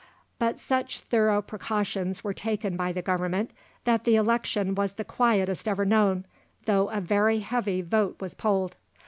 But such thorough precautions were taken by the Government, that the election was the quietest ever known, though a very heavy vote was polled.